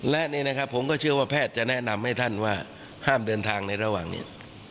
และนี่นะครับผมก็เชื่อว่าแพทย์จะแนะนำให้ท่านว่าห้ามเดินทางในระหว่างนี้